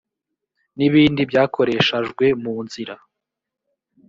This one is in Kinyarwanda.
n ibindi byakoreshajwe mu nzira